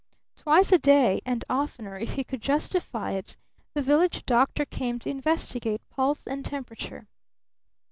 Twice a day, and oftener if he could justify it, the village doctor came to investigate pulse and temperature.